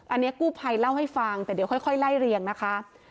อันนี้กู้ภัยเล่าให้ฟังแต่เดี๋ยวค่อยไล่เรียงนะคะ